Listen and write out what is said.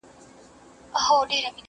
هسي نه چي لیري ولاړ سو په مزلونو!.